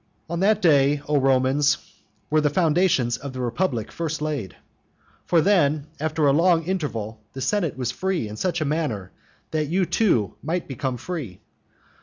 On that day, O Romans, were the foundations of the republic first laid. For then, after a long interval, the senate was free in such a manner that you too might become free.